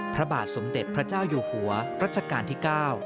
พระบาทสมเด็จพระเจ้าอยู่หัวรัชกาลที่๙